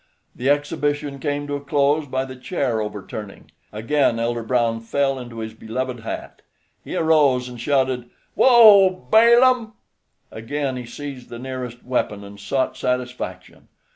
The exhibition came to a close by the chair overturning. Again Elder Brown fell into his beloved hat. He arose and shouted: "Whoa, Balaam!" Again he seized the nearest weapon, and sought satisfaction.